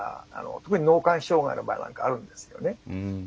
特に脳幹障害の場合なんかはあるんですよね。